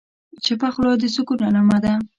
چپه خوله، د سکون علامه ده.